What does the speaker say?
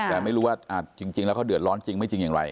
แต่ไม่รู้ว่าจริงแล้วเขาเดือดร้อนจริงไม่จริงอย่างไร